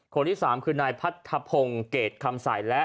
คนที่สามคือนายพัทธพงษ์เกรดคำใส